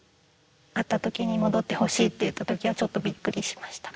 会った時に「戻ってほしい」って言った時はちょっとびっくりしました。